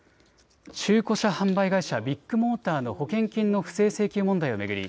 中古車販売会社、ビッグモーターの保険金の不正請求問題を巡り